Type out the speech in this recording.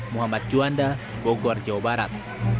muhammad juanda bogor jawa barat